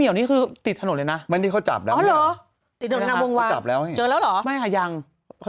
ยังไม่เจอไปบ้างคะ